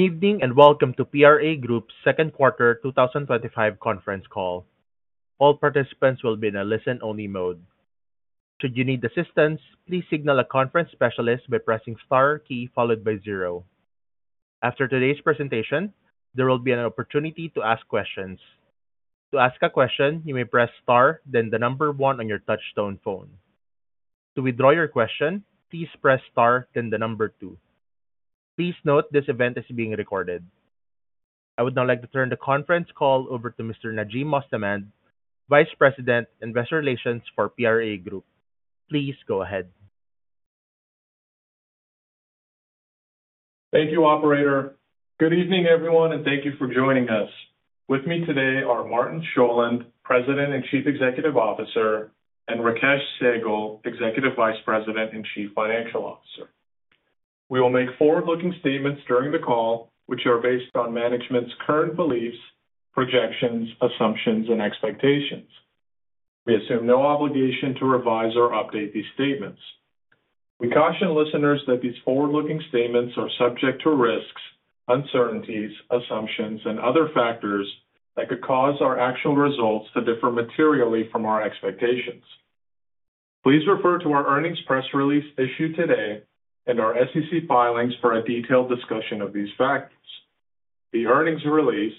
Evening and welcome to PRA Group's second quarter 2025 conference call. All participants will be in a listen-only mode. Should you need assistance, please signal a conference specialist by pressing the star key followed by zero. After today's presentation, there will be an opportunity to ask questions. To ask a question, you may press star, then the number one on your touch-tone phone. To withdraw your question, please press star, then the number two. Please note this event is being recorded. I would now like to turn the conference call over to Mr. Najim Mostamand, Vice President, Investor Relations for PRA Group. Please go ahead. Thank you, Operator. Good evening, everyone, and thank you for joining us. With me today are Martin Sjolund, President and Chief Executive Officer, and Rakesh Sehgal, Executive Vice President and Chief Financial Officer. We will make forward-looking statements during the call, which are based on management's current beliefs, projections, assumptions, and expectations. We assume no obligation to revise or update these statements. We caution listeners that these forward-looking statements are subject to risks, uncertainties, assumptions, and other factors that could cause our actual results to differ materially from our expectations. Please refer to our earnings press release issued today and our SEC filings for a detailed discussion of these factors. The earnings release,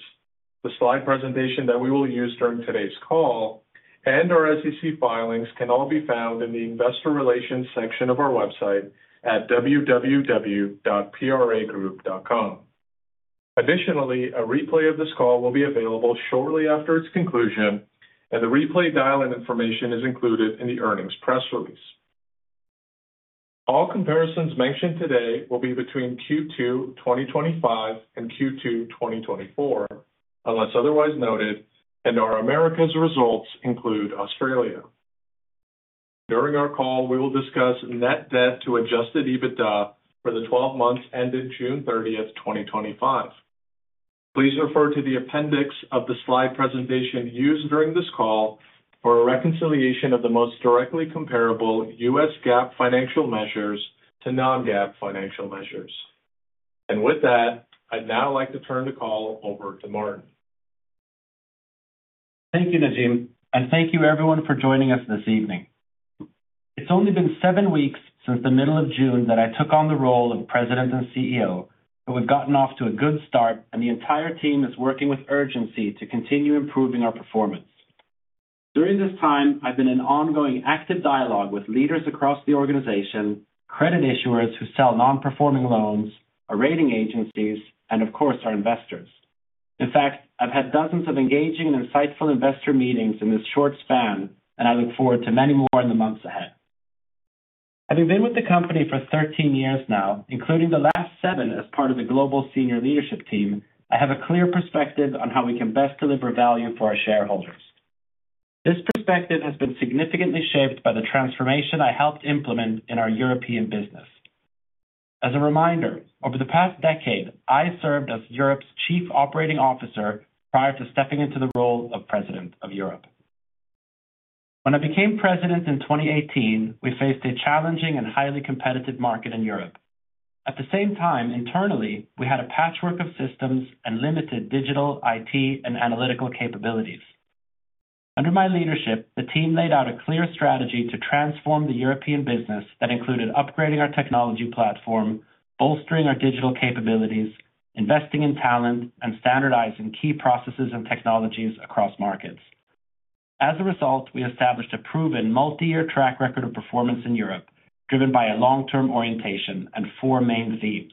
the slide presentation that we will use during today's call, and our SEC filings can all be found in the investor relations section of our website at www.pragroup.com. Additionally, a replay of this call will be available shortly after its conclusion, and the replay dial-in information is included in the earnings press release. All comparisons mentioned today will be between Q2 2025 and Q2 2024, unless otherwise noted, and our Americas results include Australia. During our call, we will discuss net debt to adjusted EBITDA for the 12 months ending June 30th, 2025. Please refer to the appendix of the slide presentation used during this call for a reconciliation of the most directly comparable U.S. GAAP financial measures to non-GAAP financial measures. With that, I'd now like to turn the call over to Martin. Thank you, Najim, and thank you, everyone, for joining us this evening. It's only been seven weeks since the middle of June that I took on the role of President and CEO, but we've gotten off to a good start, and the entire team is working with urgency to continue improving our performance. During this time, I've been in ongoing active dialogue with leaders across the organization, credit issuers who sell non-performing loans, our rating agencies, and of course, our investors. In fact, I've had dozens of engaging and insightful investor meetings in this short span, and I look forward to many more in the months ahead. Having been with the company for 13 years now, including the last seven as part of a global senior leadership team, I have a clear perspective on how we can best deliver value for our shareholders. This perspective has been significantly shaped by the transformation I helped implement in our European business. As a reminder, over the past decade, I served as Europe's Chief Operating Officer prior to stepping into the role of President of Europe. When I became President in 2018, we faced a challenging and highly competitive market in Europe. At the same time, internally, we had a patchwork of systems and limited digital IT and analytical capabilities. Under my leadership, the team laid out a clear strategy to transform the European business that included upgrading our technology platform, bolstering our digital capabilities, investing in talent, and standardizing key processes and technologies across markets. As a result, we established a proven multi-year track record of performance in Europe, driven by a long-term orientation and four main themes.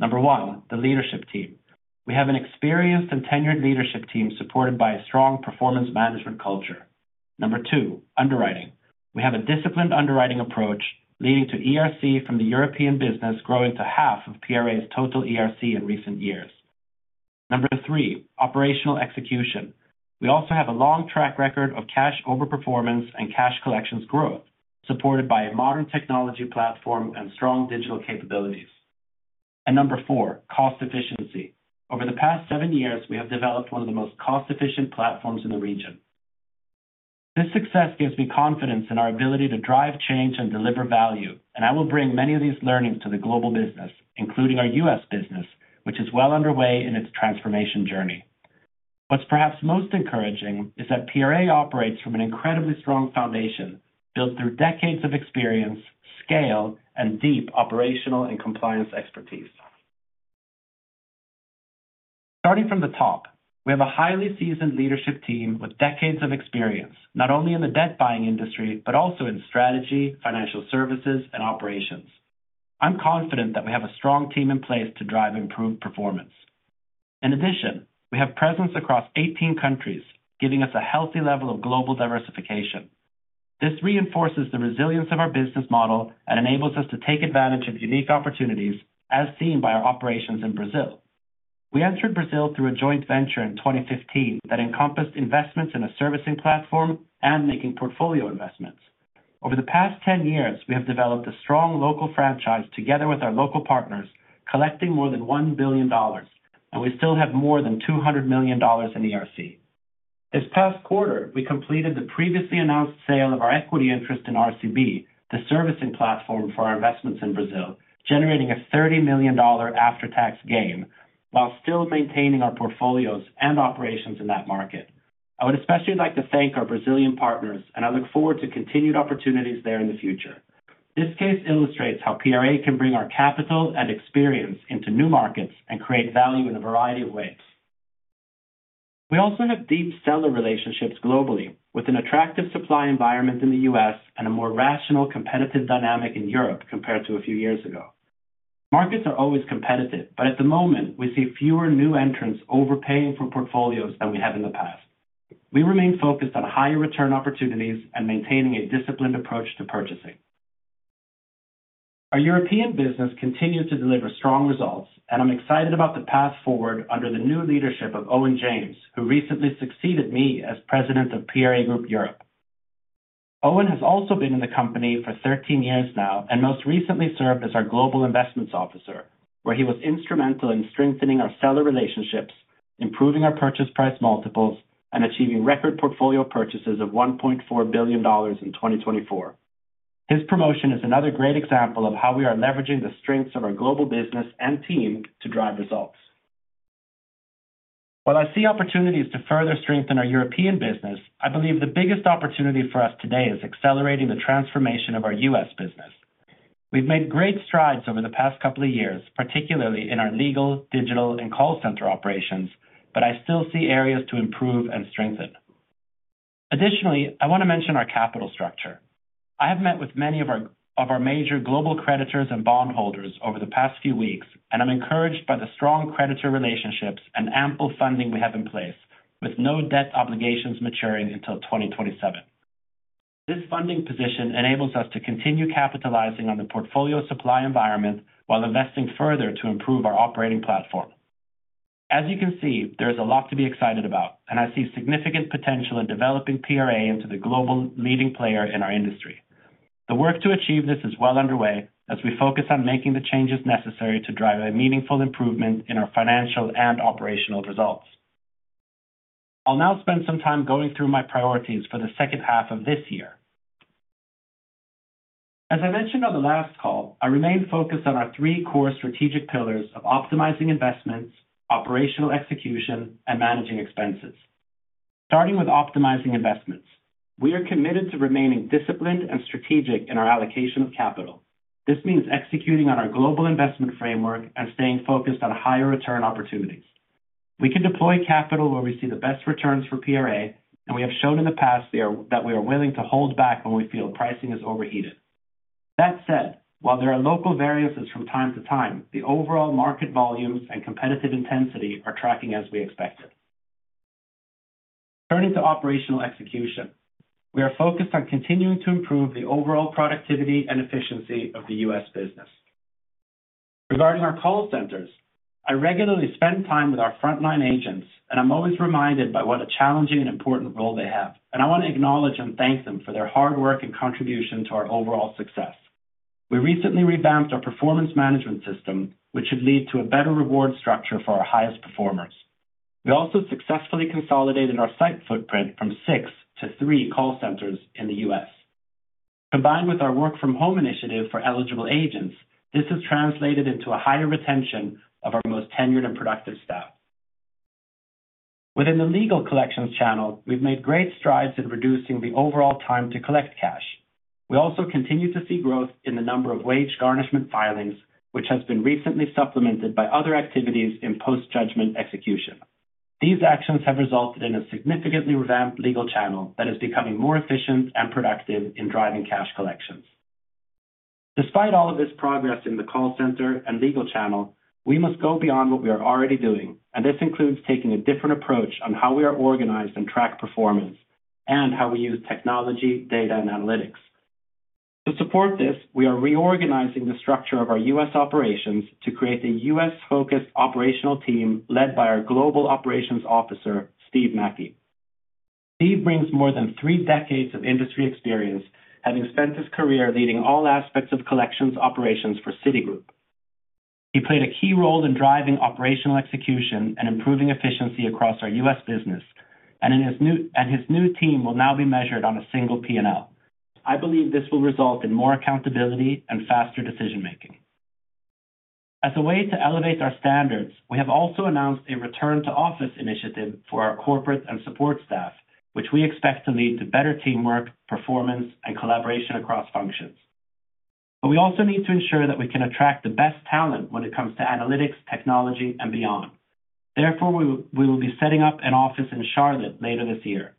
Number one, the leadership team. We have an experienced and tenured leadership team supported by a strong performance management culture. Number two, underwriting. We have a disciplined underwriting approach, leading to ERC from the European business growing to half of PRA's total ERC in recent years. Number three, operational execution. We also have a long track record of cash overperformance and cash collections growth, supported by a modern technology platform and strong digital capabilities. Number four, cost efficiency. Over the past seven years, we have developed one of the most cost-efficient platforms in the region. This success gives me confidence in our ability to drive change and deliver value, and I will bring many of these learnings to the global business, including our U.S. business, which is well underway in its transformation journey. What's perhaps most encouraging is that PRA Group operates from an incredibly strong foundation, built through decades of experience, scale, and deep operational and compliance expertise. Starting from the top, we have a highly seasoned leadership team with decades of experience, not only in the debt buying industry, but also in strategy, financial services, and operations. I'm confident that we have a strong team in place to drive improved performance. In addition, we have presence across 18 countries, giving us a healthy level of global diversification. This reinforces the resilience of our business model and enables us to take advantage of unique opportunities, as seen by our operations in Brazil. We entered Brazil through a joint venture in 2015 that encompassed investments in a servicing platform and making portfolio investments. Over the past 10 years, we have developed a strong local franchise together with our local partners, collecting more than $1 billion, and we still have more than $200 million in ERC. This past quarter, we completed the previously announced sale of our equity interest in RCB, the servicing platform for our investments in Brazil, generating a $30 million after-tax gain while still maintaining our portfolios and operations in that market. I would especially like to thank our Brazilian partners, and I look forward to continued opportunities there in the future. This case illustrates how PRA Group can bring our capital and experience into new markets and create value in a variety of ways. We also have deep seller relationships globally, with an attractive supply environment in the U.S. and a more rational competitive dynamic in Europe compared to a few years ago. Markets are always competitive, but at the moment, we see fewer new entrants overpaying for portfolios than we had in the past. We remain focused on higher return opportunities and maintaining a disciplined approach to purchasing. Our European business continues to deliver strong results, and I'm excited about the path forward under the new leadership of Owen James, who recently succeeded me as President of PRA Group Europe. Owen has also been in the company for 13 years now and most recently served as our Global Investments Officer, where he was instrumental in strengthening our seller relationships, improving our purchase price multiples, and achieving record portfolio purchases of $1.4 billion in 2024. His promotion is another great example of how we are leveraging the strengths of our global business and team to drive results. While I see opportunities to further strengthen our European business, I believe the biggest opportunity for us today is accelerating the transformation of our U.S. business. We've made great strides over the past couple of years, particularly in our legal, digital, and call center operations, but I still see areas to improve and strengthen. Additionally, I want to mention our capital structure. I have met with many of our major global creditors and bondholders over the past few weeks, and I'm encouraged by the strong creditor relationships and ample funding we have in place, with no debt obligations maturing until 2027. This funding position enables us to continue capitalizing on the portfolio supply environment while investing further to improve our operating platform. As you can see, there is a lot to be excited about, and I see significant potential in developing PRA Group into the global leading player in our industry. The work to achieve this is well underway as we focus on making the changes necessary to drive a meaningful improvement in our financial and operational results. I'll now spend some time going through my priorities for the second half of this year. As I mentioned on the last call, I remain focused on our three core strategic pillars of optimizing investments, operational execution, and managing expenses. Starting with optimizing investments, we are committed to remaining disciplined and strategic in our allocation of capital. This means executing on our global investment framework and staying focused on higher return opportunities. We can deploy capital where we see the best returns for PRA, and we have shown in the past that we are willing to hold back when we feel pricing is overheated. That said, while there are local variances from time to time, the overall market volumes and competitive intensity are tracking as we expected. Turning to operational execution, we are focused on continuing to improve the overall productivity and efficiency of the U.S. business. Regarding our call centers, I regularly spend time with our frontline agents, and I'm always reminded by what a challenging and important role they have. I want to acknowledge and thank them for their hard work and contribution to our overall success. We recently revamped our performance management system, which should lead to a better reward structure for our highest performers. We also successfully consolidated our site footprint from six to three call centers in the U.S. Combined with our work-from-home initiative for eligible agents, this has translated into a higher retention of our most tenured and productive staff. Within the legal collections channel, we've made great strides in reducing the overall time to collect cash. We also continue to see growth in the number of wage garnishment filings, which has been recently supplemented by other activities in post-judgment execution. These actions have resulted in a significantly revamped legal channel that is becoming more efficient and productive in driving cash collections. Despite all of this progress in the call center and legal channel, we must go beyond what we are already doing, and this includes taking a different approach on how we are organized and track performance, and how we use technology, data, and analytics. To support this, we are reorganizing the structure of our U.S. operations to create a U.S.-focused operational team led by our Global Operations Officer, Steve Macke. Steve brings more than three decades of industry experience and has spent his career leading all aspects of collections operations for Citigroup. He played a key role in driving operational execution and improving efficiency across our U.S. business, and his new team will now be measured on a single P&L. I believe this will result in more accountability and faster decision-making. As a way to elevate our standards, we have also announced a return-to-office initiative for our corporate and support staff, which we expect to lead to better teamwork, performance, and collaboration across functions. We also need to ensure that we can attract the best talent when it comes to analytics, technology, and beyond. Therefore, we will be setting up an office in Charlotte later this year.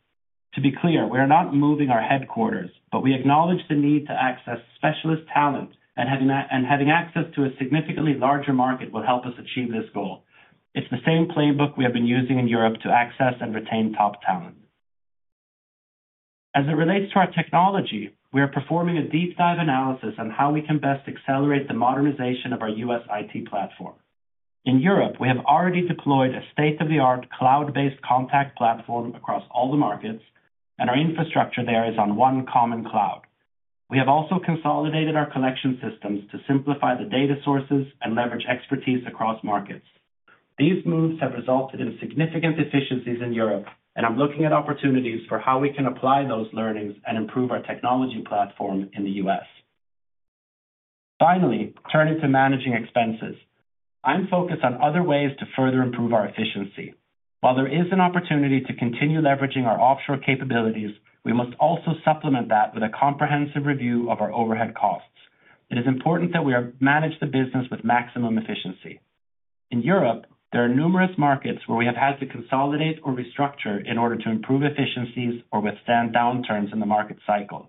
To be clear, we are not moving our headquarters, but we acknowledge the need to access specialist talent, and having access to a significantly larger market will help us achieve this goal. It's the same playbook we have been using in Europe to access and retain top talent. As it relates to our technology, we are performing a deep-dive analysis on how we can best accelerate the modernization of our U.S. IT platform. In Europe, we have already deployed a state-of-the-art cloud-based contact platform across all the markets, and our infrastructure there is on one common cloud. We have also consolidated our collection systems to simplify the data sources and leverage expertise across markets. These moves have resulted in significant efficiencies in Europe, and I'm looking at opportunities for how we can apply those learnings and improve our technology platform in the U.S. Finally, turning to managing expenses, I'm focused on other ways to further improve our efficiency. While there is an opportunity to continue leveraging our offshore capabilities, we must also supplement that with a comprehensive review of our overhead costs. It is important that we manage the business with maximum efficiency. In Europe, there are numerous markets where we have had to consolidate or restructure in order to improve efficiencies or withstand downturns in the market cycle.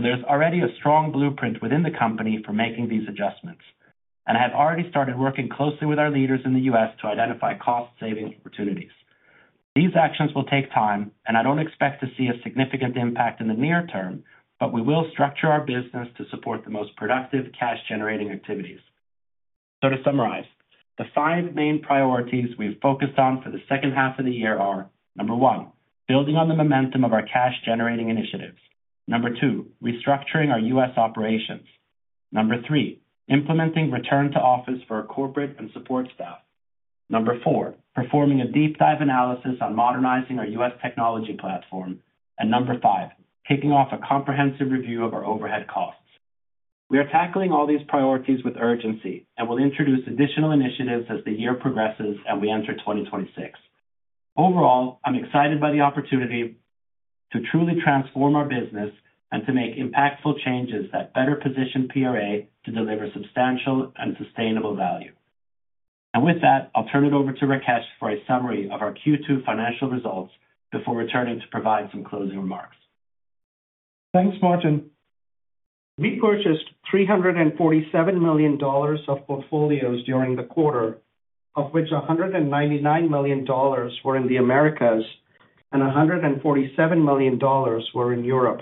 There is already a strong blueprint within the company for making these adjustments, and I have already started working closely with our leaders in the U.S. to identify cost-saving opportunities. These actions will take time, and I don't expect to see a significant impact in the near term, but we will structure our business to support the most productive cash-generating activities. To summarize, the five main priorities we've focused on for the second half of the year are: number one, building on the momentum of our cash-generating initiatives; number two, restructuring our U.S. operations; number three, implementing return-to-office for our corporate and support staff; number four, performing a deep-dive analysis on modernizing our U.S. technology platform; and number five, kicking off a comprehensive review of our overhead costs. We are tackling all these priorities with urgency and will introduce additional initiatives as the year progresses and we enter 2026. Overall, I'm excited by the opportunity to truly transform our business and to make impactful changes that better position PRA to deliver substantial and sustainable value. With that, I'll turn it over to Rakesh for a summary of our Q2 financial results before returning to provide some closing remarks. Thanks, Martin. We purchased $347 million of portfolios during the quarter, of which $199 million were in the Americas and $147 million were in Europe.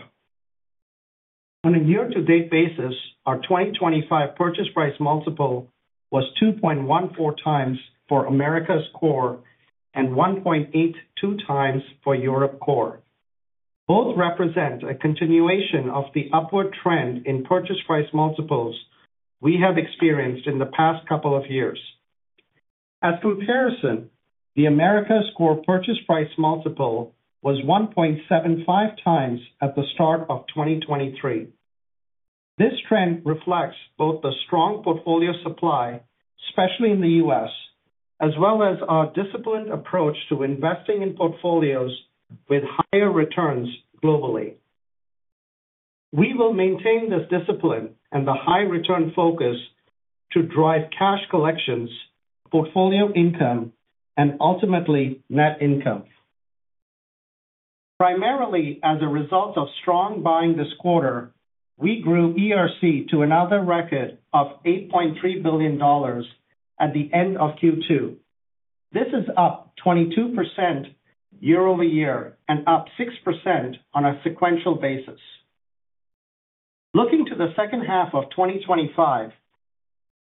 On a year-to-date basis, our 2025 purchase price multiple was 2.14x for Americas Core and 1.82x for Europe Core. Both represent a continuation of the upward trend in purchase price multiples we have experienced in the past couple of years. As comparison, the Americas Core purchase price multiple was 1.75x at the start of 2023. This trend reflects both the strong portfolio supply, especially in the U.S., as well as our disciplined approach to investing in portfolios with higher returns globally. We will maintain this discipline and the high-return focus to drive cash collections, portfolio income, and ultimately net income. Primarily as a result of strong buying this quarter, we grew ERC to another record of $8.3 billion at the end of Q2. This is up 22% year-over-year and up 6% on a sequential basis. Looking to the second half of 2025,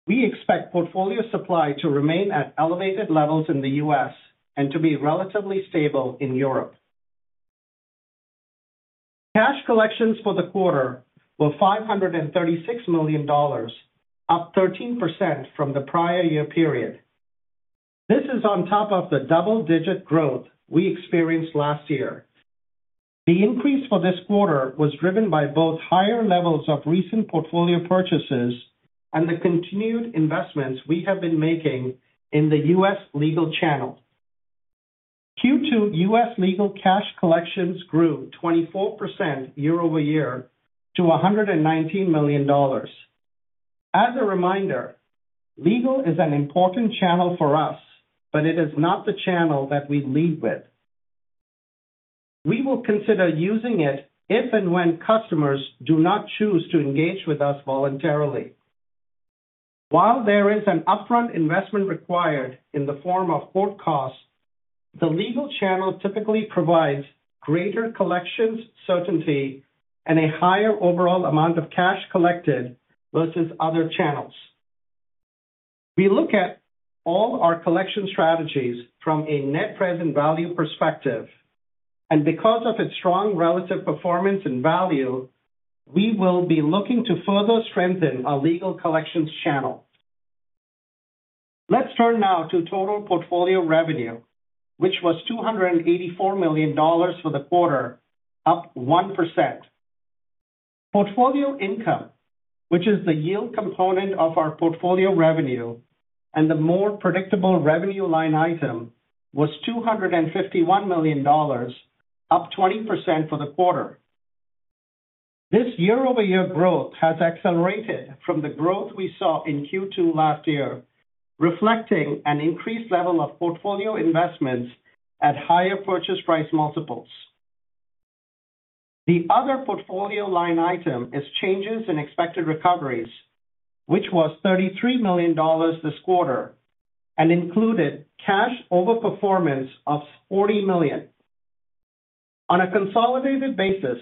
we expect portfolio supply to remain at elevated levels in the U.S. and to be relatively stable in Europe. Cash collections for the quarter were $536 million, up 13% from the prior year period. This is on top of the double-digit growth we experienced last year. The increase for this quarter was driven by both higher levels of recent portfolio purchases and the continued investments we have been making in the U.S. legal channel. Q2 U.S. legal cash collections grew 24% year-over-year to $119 million. As a reminder, legal is an important channel for us, but it is not the channel that we lead with. We will consider using it if and when customers do not choose to engage with us voluntarily. While there is an upfront investment required in the form of court costs, the legal channel typically provides greater collections certainty and a higher overall amount of cash collected versus other channels. We look at all our collection strategies from a net present value perspective, and because of its strong relative performance and value, we will be looking to further strengthen our legal collections channel. Let's turn now to total portfolio revenue, which was $284 million for the quarter, up 1%. Portfolio income, which is the yield component of our portfolio revenue and the more predictable revenue line item, was $251 million, up 20% for the quarter. This year-over-year growth has accelerated from the growth we saw in Q2 last year, reflecting an increased level of portfolio investments at higher purchase price multiples. The other portfolio line item is changes in expected recoveries, which was $33 million this quarter and included cash overperformance of $40 million. On a consolidated basis,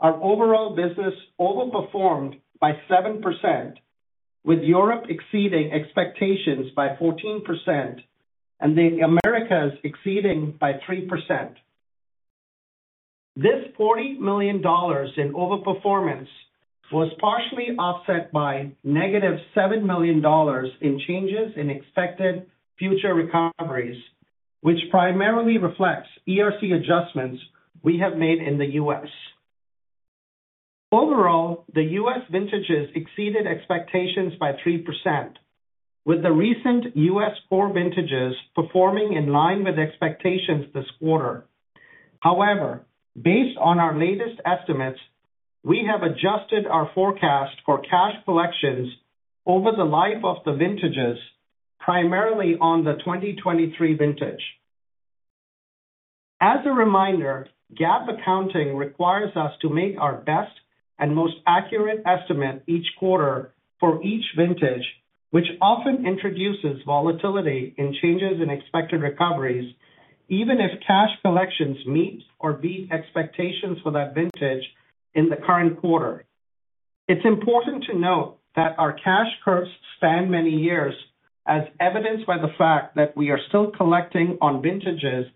our overall business overperformed by 7%, with Europe exceeding expectations by 14% and the Americas exceeding by 3%. This $40 million in overperformance was partially offset by -$7 million in changes in expected future recoveries, which primarily reflects ERC adjustments we have made in the U.S. Overall, the U.S. vintages exceeded expectations by 3%, with the recent U.S. Core vintages performing in line with expectations this quarter. However, based on our latest estimates, we have adjusted our forecast for cash collections over the life of the vintages, primarily on the 2023 vintage. As a reminder, GAAP accounting requires us to make our best and most accurate estimate each quarter for each vintage, which often introduces volatility in changes in expected recoveries, even if cash collections meet or beat expectations for that vintage in the current quarter. It's important to note that our cash curves span many years, as evidenced by the fact that we are still collecting on vintages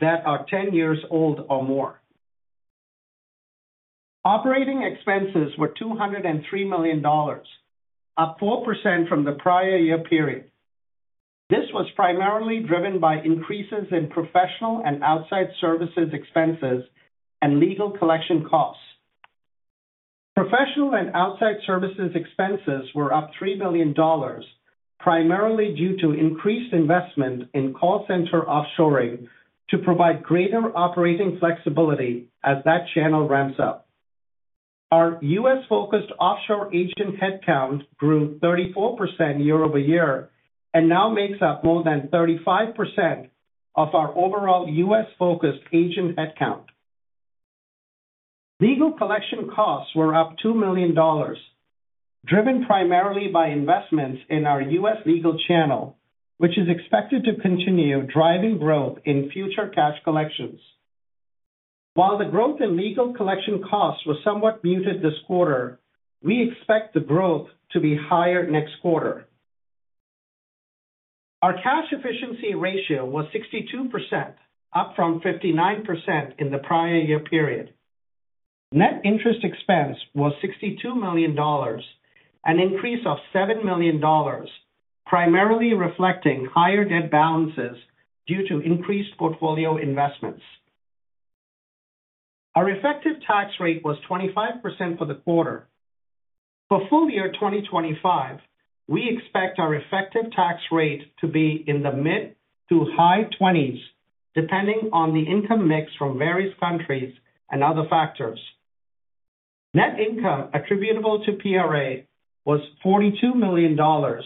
that are 10 years old or more. Operating expenses were $203 million, up 4% from the prior year period. This was primarily driven by increases in professional and outside services expenses and legal collection costs. Professional and outside services expenses were up $3 million, primarily due to increased investment in call center offshoring to provide greater operating flexibility as that channel ramps up. Our U.S.-focused offshore agent headcount grew 34% year-over-year and now makes up more than 35% of our overall U.S.-focused agent headcount. Legal collection costs were up $2 million, driven primarily by investments in our U.S. legal channel, which is expected to continue driving growth in future cash collections. While the growth in legal collection costs was somewhat muted this quarter, we expect the growth to be higher next quarter. Our cash efficiency ratio was 62%, up from 59% in the prior year period. Net interest expense was $62 million, an increase of $7 million, primarily reflecting higher debt balances due to increased portfolio investments. Our effective tax rate was 25% for the quarter. For full year 2025, we expect our effective tax rate to be in the mid to high 20s, depending on the income mix from various countries and other factors. Net income attributable to PRA was $42 million, or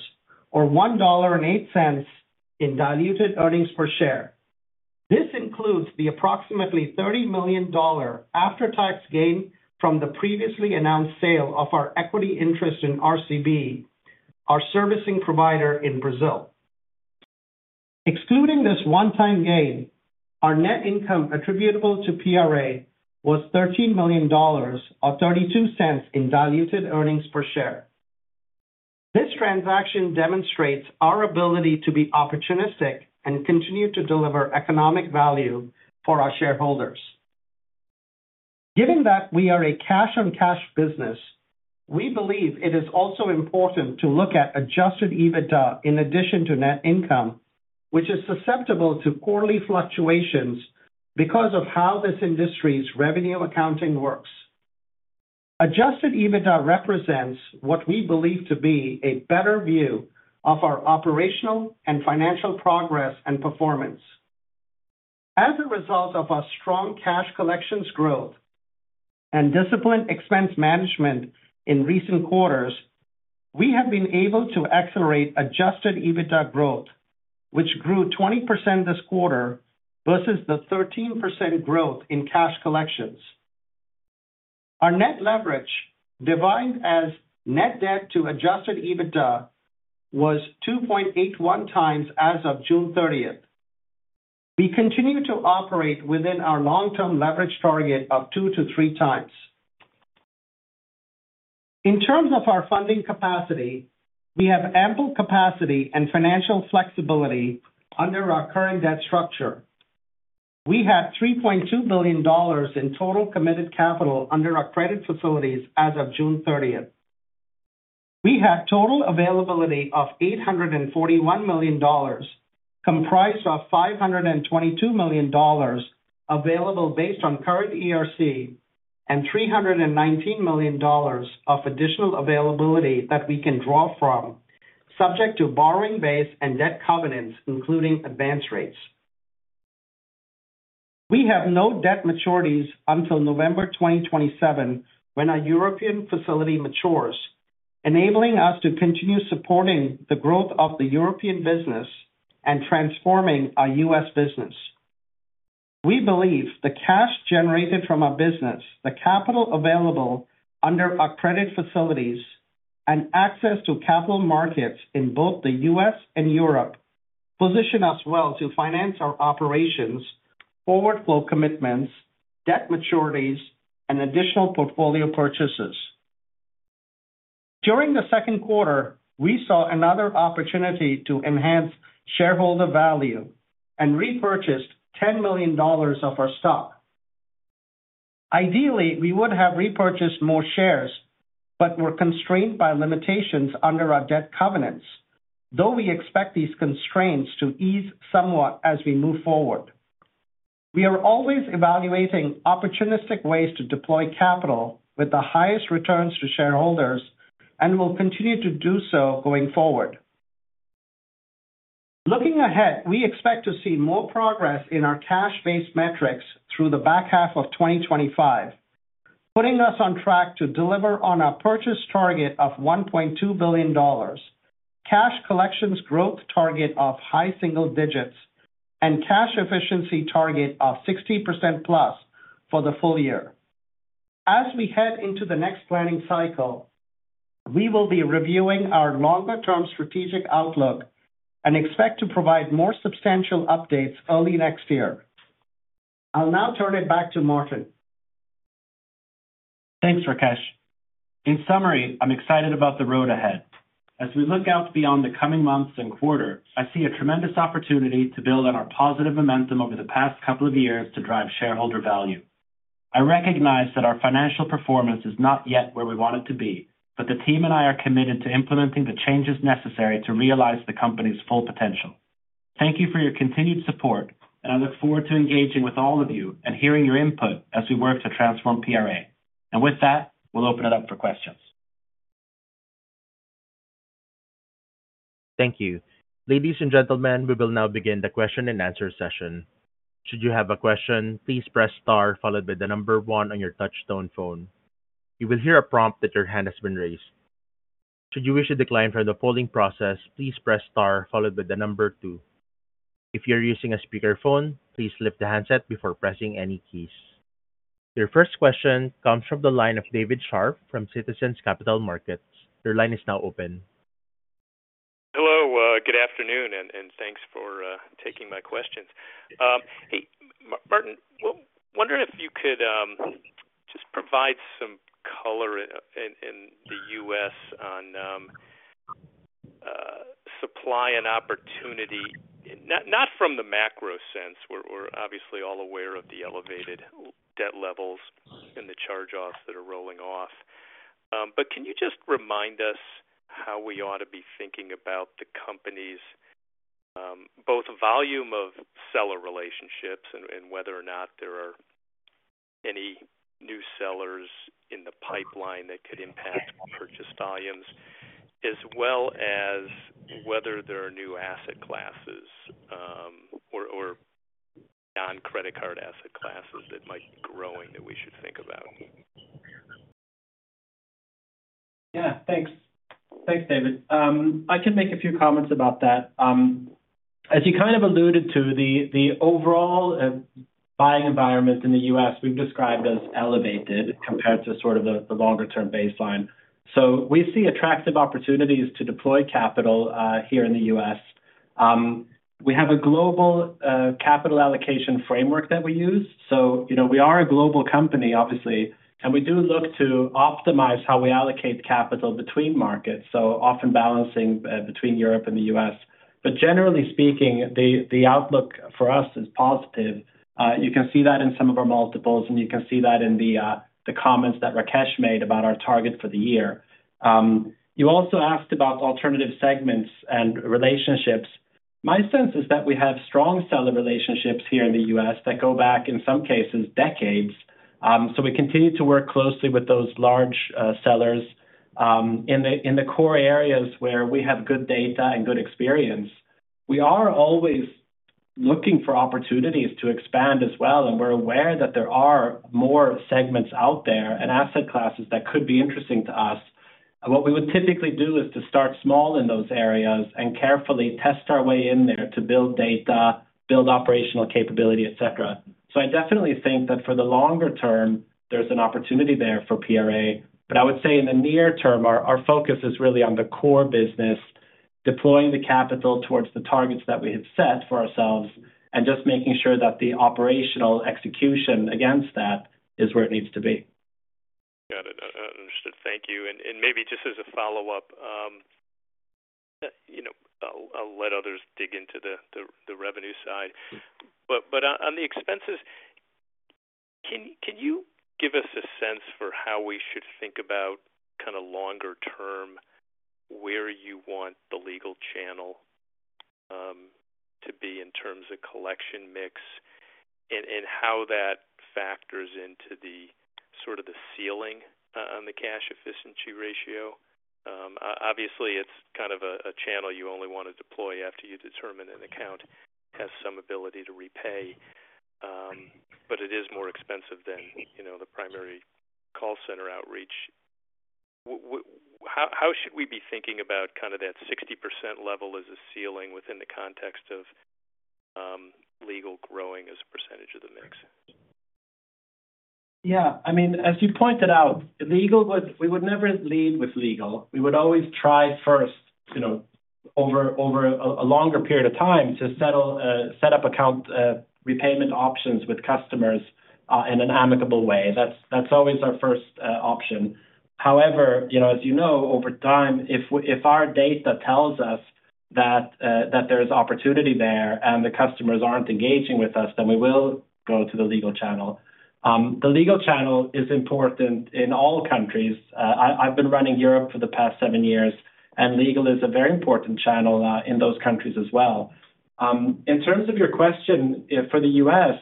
$1.08 in diluted earnings per share. This includes the approximately $30 million after-tax gain from the previously announced sale of our equity interest in RCB, our servicing provider in Brazil. Excluding this one-time gain, our net income attributable to PRA was $13 million, or $0.32 in diluted earnings per share. This transaction demonstrates our ability to be opportunistic and continue to deliver economic value for our shareholders. Given that we are a cash-on-cash business, we believe it is also important to look at adjusted EBITDA in addition to net income, which is susceptible to quarterly fluctuations because of how this industry's revenue accounting works. Adjusted EBITDA represents what we believe to be a better view of our operational and financial progress and performance. As a result of our strong cash collections growth and disciplined expense management in recent quarters, we have been able to accelerate adjusted EBITDA growth, which grew 20% this quarter versus the 13% growth in cash collections. Our net leverage, divided as net debt to adjusted EBITDA, was 2.81x as of June 30th. We continue to operate within our long-term leverage target of 2x-3x. In terms of our funding capacity, we have ample capacity and financial flexibility under our current debt structure. We had $3.2 billion in total committed capital under our credit facilities as of June 30th. We have total availability of $841 million, comprised of $522 million available based on current ERC and $319 million of additional availability that we can draw from, subject to borrowing base and debt covenants, including advance rates. We have no debt maturities until November 2027 when our European facility matures, enabling us to continue supporting the growth of the European business and transforming our U.S. business. We believe the cash generated from our business, the capital available under our credit facilities, and access to capital markets in both the U.S. and Europe position us well to finance our operations, forward flow commitments, debt maturities, and additional portfolio purchases. During the second quarter, we saw another opportunity to enhance shareholder value and repurchased $10 million of our stock. Ideally, we would have repurchased more shares, but were constrained by limitations under our debt covenants, though we expect these constraints to ease somewhat as we move forward. We are always evaluating opportunistic ways to deploy capital with the highest returns to shareholders and will continue to do so going forward. Looking ahead, we expect to see more progress in our cash-based metrics through the back half of 2025, putting us on track to deliver on our purchase target of $1.2 billion, cash collections growth target of high single digits, and cash efficiency target of 60%+ for the full year. As we head into the next planning cycle, we will be reviewing our longer-term strategic outlook and expect to provide more substantial updates early next year. I'll now turn it back to Martin. Thanks, Rakesh. In summary, I'm excited about the road ahead. As we look out beyond the coming months and quarter, I see a tremendous opportunity to build on our positive momentum over the past couple of years to drive shareholder value. I recognize that our financial performance is not yet where we want it to be, but the team and I are committed to implementing the changes necessary to realize the company's full potential. Thank you for your continued support, and I look forward to engaging with all of you and hearing your input as we work to transform PRA. With that, we'll open it up for questions. Thank you. Ladies and gentlemen, we will now begin the question and answer session. Should you have a question, please press star followed by the number one on your touch-tone phone. You will hear a prompt that your hand has been raised. Should you wish to decline from the polling process, please press star followed by the number two. If you're using a speakerphone, please lift the handset before pressing any keys. Your first question comes from the line of David Scharf from Citizens Capital Markets. Your line is now open. Hello, good afternoon, and thanks for taking my questions. Hey, Martin, wondering if you could just provide some color in the U.S. on supply and opportunity, not from the macro sense. We're obviously all aware of the elevated debt levels and the charge-offs that are rolling off. Can you just remind us how we ought to be thinking about the company's both volume of seller relationships and whether or not there are any new sellers in the pipeline that could impact purchase volumes, as well as whether there are new asset classes or non-credit card asset classes that might be growing that we should think about? Yeah, thanks. Thanks, David. I can make a few comments about that. As you kind of alluded to, the overall buying environment in the U.S. we've described as elevated compared to sort of the longer-term baseline. We see attractive opportunities to deploy capital here in the U.S. We have a global capital allocation framework that we use. We are a global company, obviously, and we do look to optimize how we allocate capital between markets, often balancing between Europe and the U.S. Generally speaking, the outlook for us is positive. You can see that in some of our multiples, and you can see that in the comments that Rakesh made about our target for the year. You also asked about alternative segments and relationships. My sense is that we have strong seller relationships here in the U.S. that go back, in some cases, decades. We continue to work closely with those large sellers in the core areas where we have good data and good experience. We are always looking for opportunities to expand as well, and we're aware that there are more segments out there and asset classes that could be interesting to us. What we would typically do is to start small in those areas and carefully test our way in there to build data, build operational capability, et cetera. I definitely think that for the longer term, there's an opportunity there for PRA, but I would say in the near term, our focus is really on the core business, deploying the capital towards the targets that we have set for ourselves, and just making sure that the operational execution against that is where it needs to be. Got it. Understood. Thank you. Maybe just as a follow-up, I'll let others dig into the revenue side. On the expenses, can you give us a sense for how we should think about kind of longer term, where you want the legal channel to be in terms of collection mix and how that factors into the sort of the ceiling on the cash efficiency ratio? Obviously, it's kind of a channel you only want to deploy after you determine an account has some ability to repay, but it is more expensive than the primary call center outreach. How should we be thinking about kind of that 60% level as a ceiling within the context of legal growing as a percentage of the mix? Yeah, I mean, as you pointed out, legal would, we would never lead with legal. We would always try first, you know, over a longer period of time to set up account repayment options with customers in an amicable way. That's always our first option. However, you know, over time, if our data tells us that there's opportunity there and the customers aren't engaging with us, then we will go to the legal channel. The legal channel is important in all countries. I've been running Europe for the past seven years, and legal is a very important channel in those countries as well. In terms of your question for the U.S.,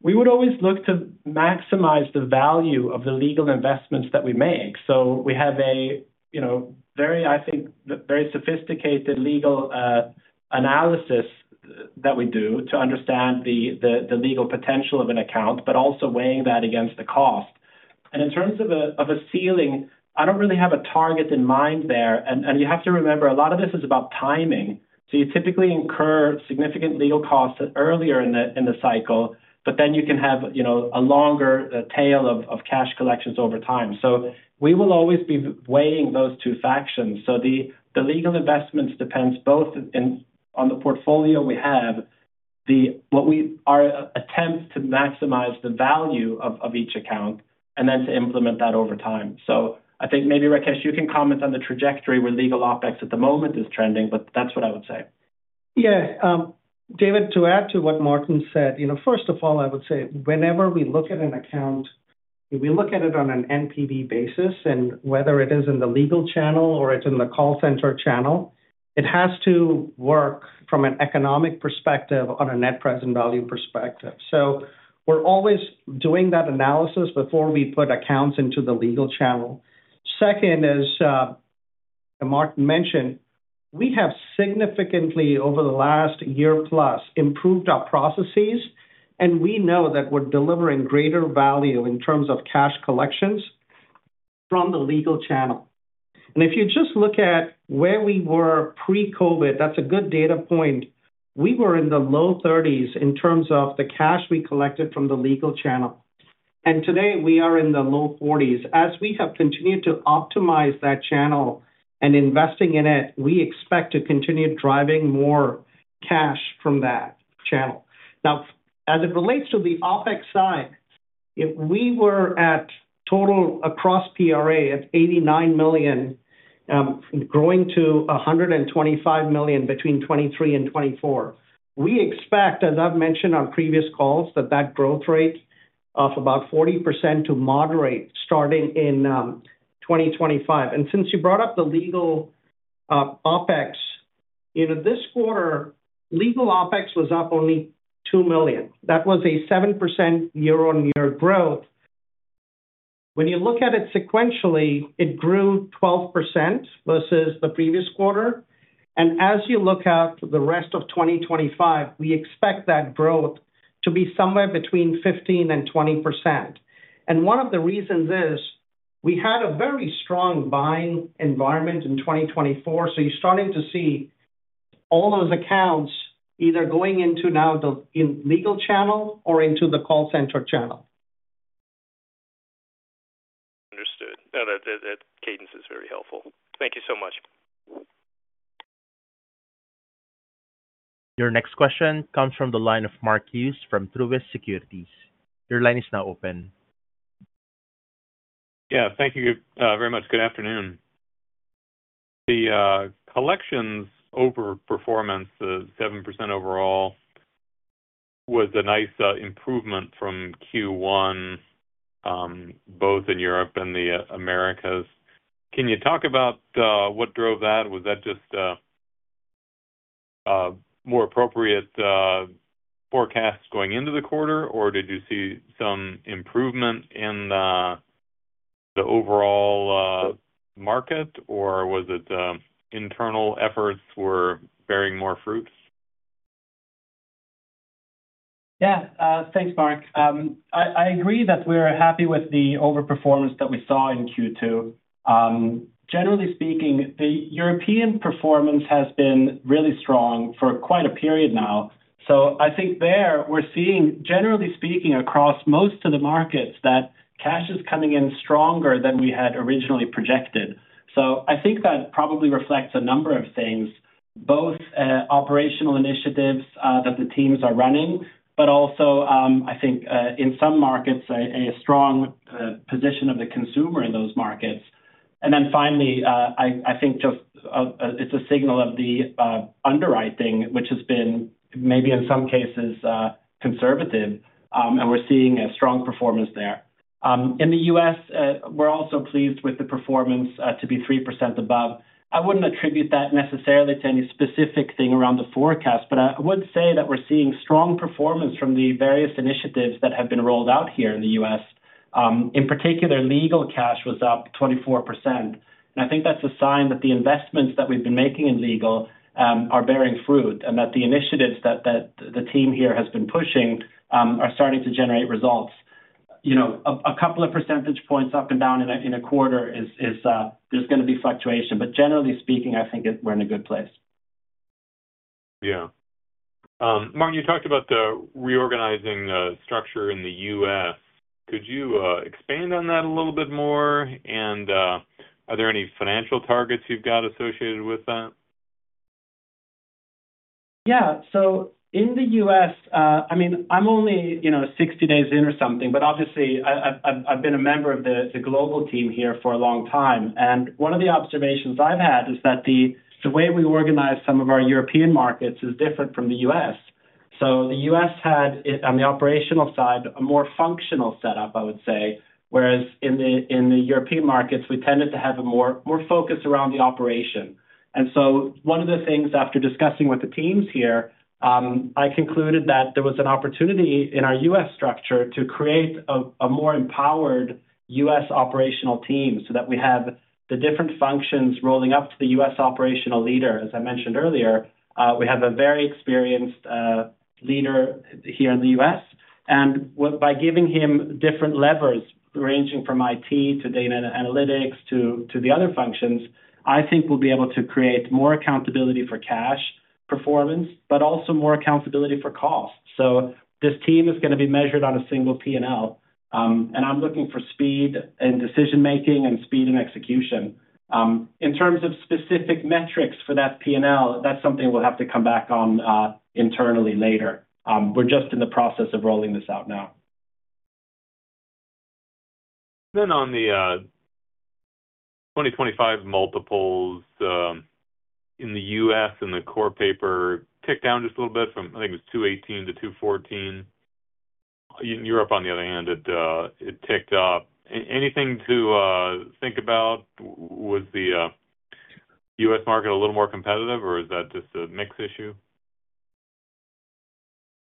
we would always look to maximize the value of the legal investments that we make. We have a very, I think, very sophisticated legal analysis that we do to understand the legal potential of an account, but also weighing that against the cost. In terms of a ceiling, I don't really have a target in mind there. You have to remember, a lot of this is about timing. You typically incur significant legal costs earlier in the cycle, but then you can have a longer tail of cash collections over time. We will always be weighing those two factions. The legal investments depend both on the portfolio we have, what our attempts to maximize the value of each account, and then to implement that over time. I think maybe, Rakesh, you can comment on the trajectory where legal OpEx at the moment is trending, but that's what I would say. Yeah. David, to add to what Martin said, first of all, I would say whenever we look at an account, we look at it on an NPV basis, and whether it is in the legal channel or it's in the call center channel, it has to work from an economic perspective on a net present value perspective. We're always doing that analysis before we put accounts into the legal channel. Second, as Martin mentioned, we have significantly, over the last year plus, improved our processes, and we know that we're delivering greater value in terms of cash collections from the legal channel. If you just look at where we were pre-COVID, that's a good data point. We were in the low 30s in terms of the cash we collected from the legal channel, and today, we are in the low 40s. As we have continued to optimize that channel and investing in it, we expect to continue driving more cash from that channel. Now, as it relates to the OpEx side, we were at total across PRA Group at $89 million, growing to $125 million between 2023 and 2024. We expect, as I've mentioned on previous calls, that that growth rate of about 40% to moderate starting in 2025. Since you brought up the legal OpEx, this quarter, legal OpEx was up only $2 million. That was a 7% year-on-year growth. When you look at it sequentially, it grew 12% versus the previous quarter. As you look out to the rest of 2025, we expect that growth to be somewhere between 15% and 20%. One of the reasons is we had a very strong buying environment in 2024. You're starting to see all those accounts either going into now the legal channel or into the call center channel. Understood. No, that cadence is very helpful. Thank you so much. Your next question comes from the line of Mark Hughes from Truist Securities. Your line is now open. Yeah, thank you very much. Good afternoon. The collections overperformance, the 7% overall, was a nice improvement from Q1, both in Europe and the Americas. Can you talk about what drove that? Was that just more appropriate forecasts going into the quarter, or did you see some improvement in the overall market, or was it internal efforts were bearing more fruits? Yeah, thanks, Mark. I agree that we're happy with the overperformance that we saw in Q2. Generally speaking, the European performance has been really strong for quite a period now. I think there we're seeing, generally speaking, across most of the markets that cash is coming in stronger than we had originally projected. I think that probably reflects a number of things, both operational initiatives that the teams are running, but also, I think, in some markets, a strong position of the consumer in those markets. Finally, I think it's a signal of the underwriting, which has been maybe in some cases conservative, and we're seeing a strong performance there. In the U.S., we're also pleased with the performance to be 3% above. I wouldn't attribute that necessarily to any specific thing around the forecast, but I would say that we're seeing strong performance from the various initiatives that have been rolled out here in the U.S. In particular, legal cash was up 24%. I think that's a sign that the investments that we've been making in legal are bearing fruit and that the initiatives that the team here has been pushing are starting to generate results. A couple of percentage points up and down in a quarter is there's going to be fluctuation, but generally speaking, I think we're in a good place. Yeah. Martin, you talked about the reorganizing structure in the U.S. Could you expand on that a little bit more? Are there any financial targets you've got associated with that? Yeah, so in the U.S., I mean, I'm only 60 days in or something, but obviously, I've been a member of the global team here for a long time. One of the observations I've had is that the way we organize some of our European markets is different from the U.S. The U.S. had, on the operational side, a more functional setup, I would say, whereas in the European markets, we tended to have a more focus around the operation. One of the things, after discussing with the teams here, I concluded that there was an opportunity in our U.S. structure to create a more empowered U.S. operational team so that we have the different functions rolling up to the U.S. operational leader. As I mentioned earlier, we have a very experienced leader here in the U.S., and by giving him different levers ranging from IT to data and analytics to the other functions, I think we'll be able to create more accountability for cash performance, but also more accountability for cost. This team is going to be measured on a single P&L, and I'm looking for speed in decision-making and speed in execution. In terms of specific metrics for that P&L, that's something we'll have to come back on internally later. We're just in the process of rolling this out now. On the 2025 multiples, in the U.S. and the core paper ticked down just a little bit from, I think it was 2.18-2.14. In Europe, on the other hand, it ticked up. Anything to think about? Was the U.S. market a little more competitive, or is that just a mix issue?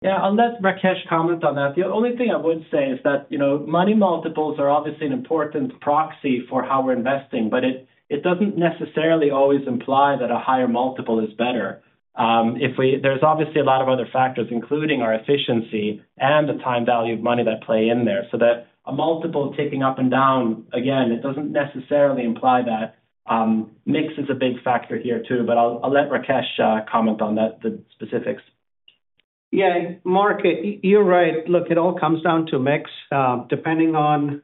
Yeah, unless Rakesh comments on that, the only thing I would say is that money multiples are obviously an important proxy for how we're investing, but it doesn't necessarily always imply that a higher multiple is better. There are obviously a lot of other factors, including our efficiency and the time value of money that play in there. A multiple ticking up and down, it doesn't necessarily imply that. Mix is a big factor here too, but I'll let Rakesh comment on the specifics. Yeah, Mark, you're right. Look, it all comes down to mix. Depending on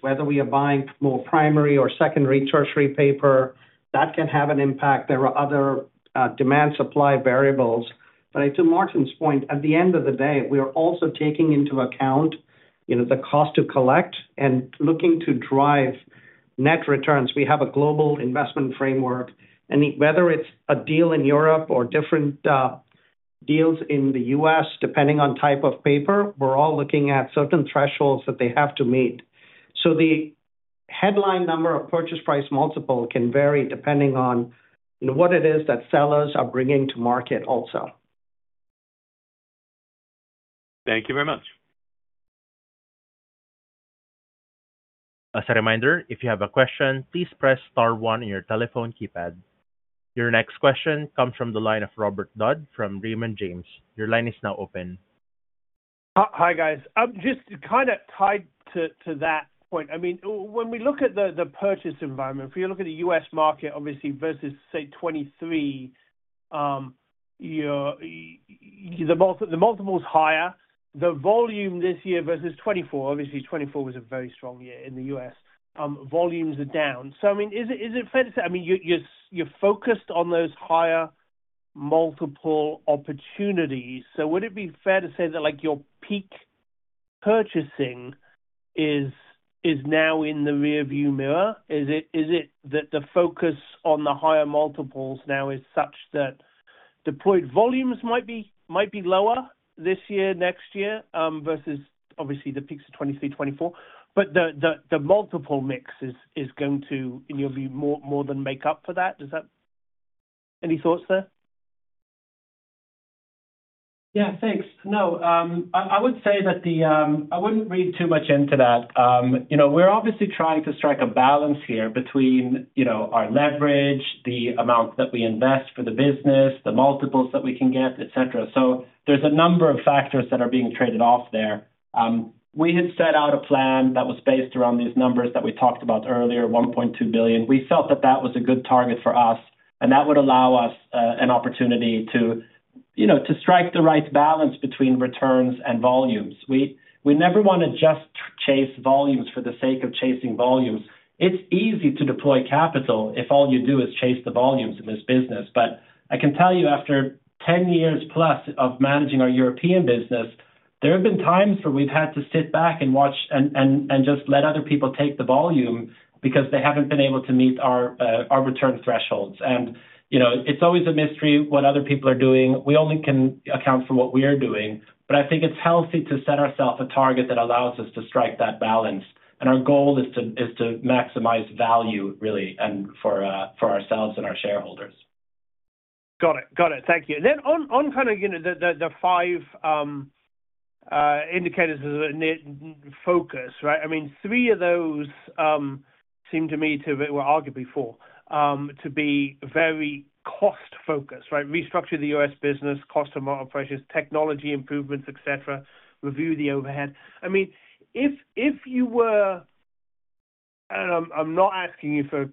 whether we are buying more primary or secondary tertiary paper, that can have an impact. There are other demand-supply variables. To Martin's point, at the end of the day, we are also taking into account the cost to collect and looking to drive net returns. We have a global investment framework, and whether it's a deal in Europe or different deals in the U.S., depending on type of paper, we're all looking at certain thresholds that they have to meet. The headline number of purchase price multiple can vary depending on what it is that sellers are bringing to market also. Thank you very much. As a reminder, if you have a question, please press star one on your telephone keypad. Your next question comes from the line of Robert Dodd from Raymond James. Your line is now open. Hi, guys. Just kind of tied to that point. I mean, when we look at the purchase environment, if you look at the U.S. market, obviously, versus say 2023, the multiple is higher. The volume this year versus 2024, obviously, 2024 was a very strong year in the U.S. Volumes are down. Is it fair to say you're focused on those higher multiple opportunities? Would it be fair to say that your peak purchasing is now in the rearview mirror? Is it that the focus on the higher multiples now is such that deployed volumes might be lower this year, next year, versus obviously the peaks of 2023, 2024? The multiple mix is going to, in your view, more than make up for that. Any thoughts there? Yeah, thanks. No, I would say that I wouldn't read too much into that. We're obviously trying to strike a balance here between our leverage, the amount that we invest for the business, the multiples that we can get, et cetera. There are a number of factors that are being traded off there. We had set out a plan that was based around these numbers that we talked about earlier, $1.2 billion. We felt that that was a good target for us, and that would allow us an opportunity to strike the right balance between returns and volumes. We never want to just chase volumes for the sake of chasing volumes. It's easy to deploy capital if all you do is chase the volumes in this business. I can tell you, after 10+ years of managing our European business, there have been times where we've had to sit back and watch and just let other people take the volume because they haven't been able to meet our return thresholds. It's always a mystery what other people are doing. We only can account for what we are doing. I think it's healthy to set ourselves a target that allows us to strike that balance. Our goal is to maximize value, really, for ourselves and our shareholders. Got it. Thank you. On the five indicators of focus, right? Three of those seem to me to, arguably four, to be very cost-focused, right? Restructure the U.S. business, cost of operations, technology improvements, et cetera, review the overhead. If you were, and I'm not asking you for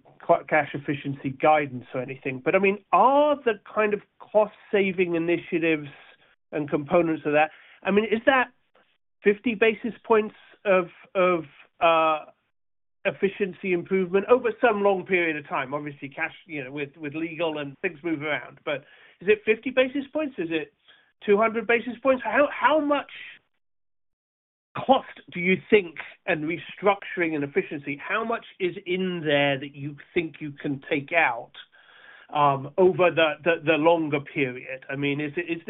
cash efficiency guidance or anything, are the cost-saving initiatives and components of that, is that 50 basis points of efficiency improvement over some long period of time? Obviously, cash, with legal and things move around. Is it 50 basis points? Is it 200 basis points? How much cost do you think, and restructuring and efficiency, how much is in there that you think you can take out over the longer period? Is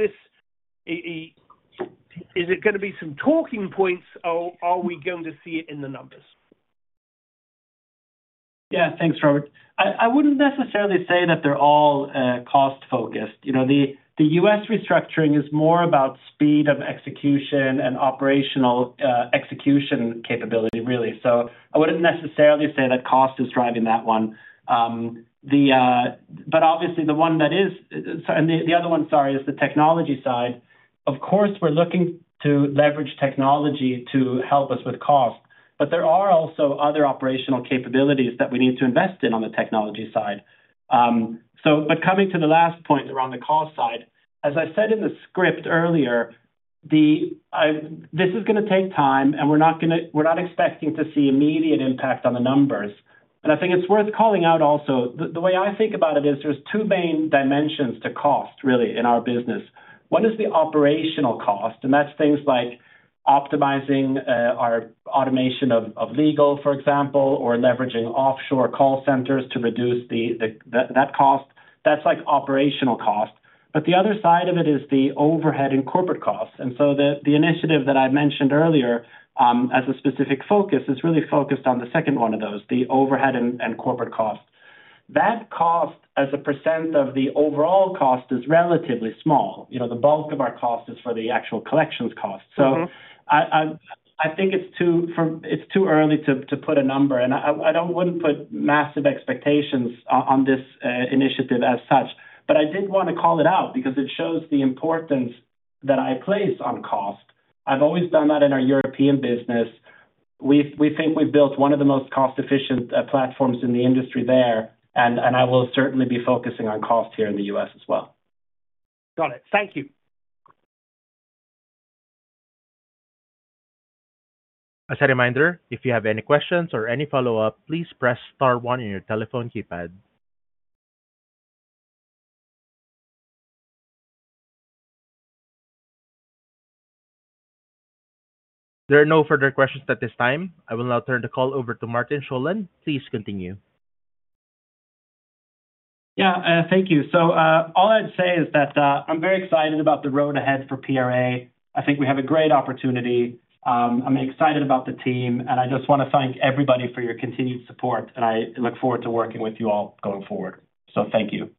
this going to be some talking points or are we going to see it in the numbers? Yeah, thanks, Robert. I wouldn't necessarily say that they're all cost-focused. You know, the U.S. restructuring is more about speed of execution and operational execution capability, really. I wouldn't necessarily say that cost is driving that one. Obviously, the one that is, and the other one, sorry, is the technology side. Of course, we're looking to leverage technology to help us with cost, but there are also other operational capabilities that we need to invest in on the technology side. Coming to the last point around the cost side, as I said in the script earlier, this is going to take time, and we're not expecting to see immediate impact on the numbers. I think it's worth calling out also, the way I think about it is there's two main dimensions to cost, really, in our business. One is the operational cost, and that's things like optimizing our automation of legal, for example, or leveraging offshore call centers to reduce that cost. That's operational cost. The other side of it is the overhead and corporate costs. The initiative that I mentioned earlier as a specific focus is really focused on the second one of those, the overhead and corporate costs. That cost, as a percent of the overall cost, is relatively small. You know, the bulk of our cost is for the actual collections cost. I think it's too early to put a number, and I wouldn't put massive expectations on this initiative as such. I did want to call it out because it shows the importance that I place on cost. I've always done that in our European business. We think we've built one of the most cost-efficient platforms in the industry there, and I will certainly be focusing on cost here in the U.S. as well. Got it. Thank you. As a reminder, if you have any questions or any follow-up, please press star one on your telephone keypad. There are no further questions at this time. I will now turn the call over to Martin Sjolund. Please continue. Thank you. All I'd say is that I'm very excited about the road ahead for PRA. I think we have a great opportunity. I'm excited about the team, and I just want to thank everybody for your continued support. I look forward to working with you all going forward. Thank you.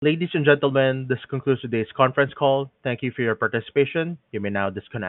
Ladies and gentlemen, this concludes today's conference call. Thank you for your participation. You may now disconnect.